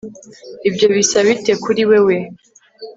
ibyo bisa bite kuri wewe